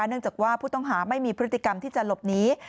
เนื่องจากว่าผู้ต้องหาไม่มีพฤติกรรมที่จะหลบหนี